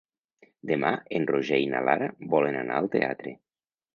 Demà en Roger i na Lara volen anar al teatre.